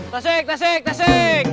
tasik tasik tasik